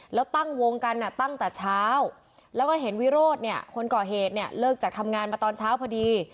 แล้วตั้งวงกันตั้งแต่เช้าแล้วก็เห็นวิโรธเนี่ยคนก่อเหตุเนี่ยเลิกจากทำงานมาตอนเช้าพอดี